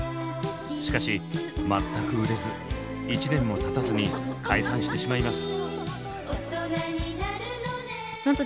しかし全く売れず１年もたたずに解散してしまいます。